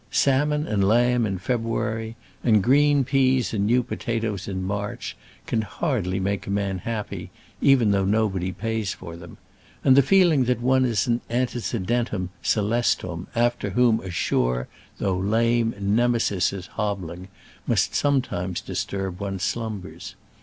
Salmon and lamb in February and green pease and new potatoes in March can hardly make a man happy, even though nobody pays for them; and the feeling that one is an antecedentem scelestum after whom a sure, though lame, Nemesis is hobbling, must sometimes disturb one's slumbers.